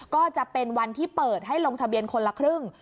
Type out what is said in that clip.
ก็จะเป็นวันที่เปิดให้ลงทะเบียนคนละครึ่ง